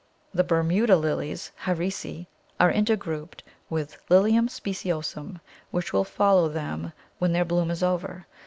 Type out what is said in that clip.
The Bermuda Lilies (Harrisi) are intergrouped with L. speciosum, which will follow them when their bloom is over.